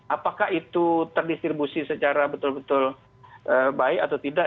apakah itu terdistribusi secara betul betul baik atau tidak